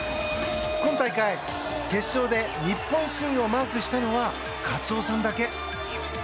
今大会、決勝で日本新をマークしたのはカツオさんだけ。